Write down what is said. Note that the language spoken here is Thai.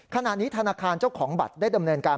ขณะนี้ธนาคารเจ้าของบัตรได้ดำเนินการ